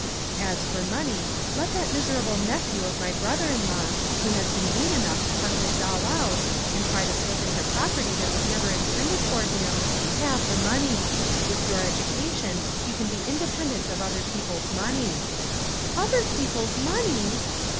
" As for money, let that miserable nephew of my brother in law who has been mean enough to hunt this all out, and try to slip into property that was never intended for him 402 "WHAT ELSE COULD ONE DO?" have the money; with your education, you can be independent of other people's money." "Other people's money!"